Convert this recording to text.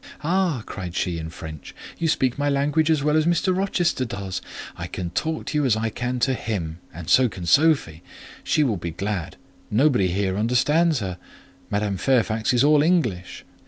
"Ah!" cried she, in French, "you speak my language as well as Mr. Rochester does: I can talk to you as I can to him, and so can Sophie. She will be glad: nobody here understands her: Madame Fairfax is all English.